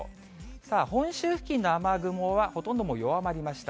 さあ、本州付近の雨雲は、ほとんどもう弱まりました。